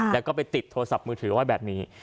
แล้วก็ไปติดโทรศัพท์มือถือไว้แบบนี้